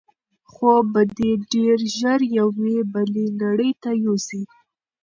خوب به دی ډېر ژر یوې بلې نړۍ ته یوسي.